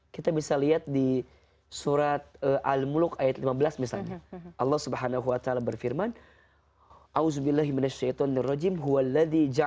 kita bisa lihat di surat al muluk ayat lima belas misalnya